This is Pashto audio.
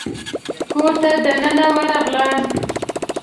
کور ته دننه ورغلم.